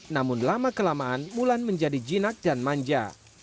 namun lama kelamaan mulan menjadi jinak dan manja